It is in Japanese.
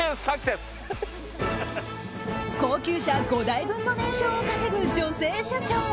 高級車５台分の年商を稼ぐ女性社長。